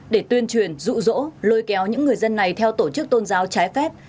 để tuyên truyền rụ rỗ lôi kéo những người dân này theo tổ chức tôn giáo trái phép